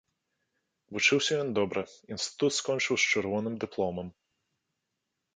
Вучыўся ён добра, інстытут скончыў з чырвоным дыпломам.